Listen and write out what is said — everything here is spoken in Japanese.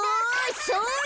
それ。